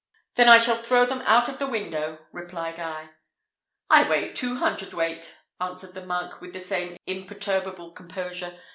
"Then I shall throw them out of the window," replied I. "I weigh two hundred weight," answered the monk, with the same imperturbable composure.